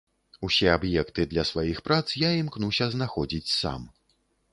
Усе аб'екты для сваіх прац я імкнуся знаходзіць сам.